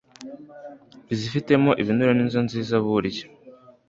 izitifitemo ibinure nizo nziza burya